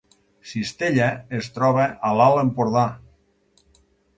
Cistella es troba a l’Alt Empordà